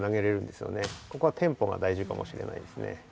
ここはテンポが大事かもしれないですね。